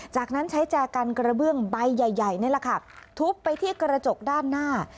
จากนั้นใช้แจกันกระเบื้องใบใหญ่นี่แหละค่ะทุบไปที่กระจกด้านหน้า